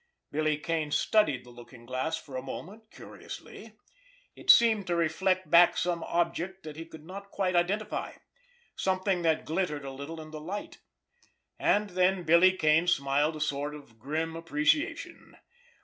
Billy Kane studied the looking glass for a moment curiously. It seemed to reflect back some object that he could not quite identify, something that glittered a little in the light. And then Billy Kane smiled a sort of grim appreciation.